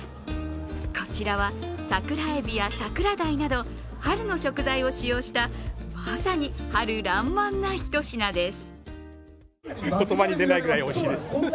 こちらは、桜えびや桜鯛など春の食材を使用したまさに春らんまんな、ひと品です。